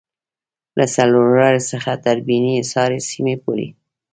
له څلورلارې څخه تر بیني حصار سیمې پورې